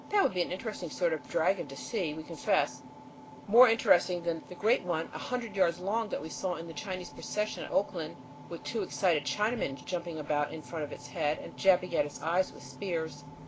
That would be an interesting sort of dragon to see, we confess, more interesting than the great one, a hundred yards long, that we saw in a Chinese procession in Oakland, with two excited Chinamen jumping about in front of its head and jabbing at its eyes with spears.